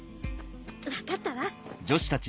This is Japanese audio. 分かったわ。